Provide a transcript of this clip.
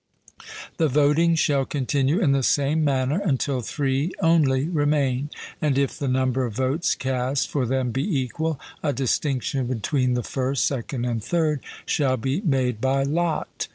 The voting shall continue in the same manner until three only remain; and if the number of votes cast for them be equal, a distinction between the first, second, and third shall be made by lot.